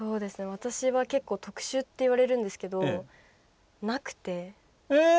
私は結構特殊って言われるんですけどなくて。